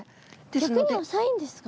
逆に浅いんですか？